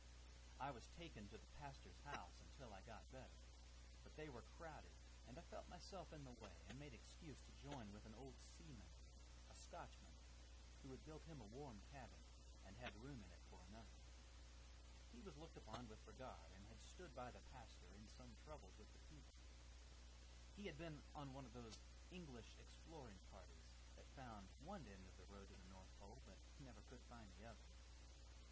I was taken to the pastor's house until I got better; but they were crowded, and I felt myself in the way, and made excuse to join with an old seaman, a Scotchman, who had built him a warm cabin, and had room in it for another. He was looked upon with regard, and had stood by the pastor in some troubles with the people. He had been on one of those English exploring parties that found one end of the road to the north pole, but never could find the other.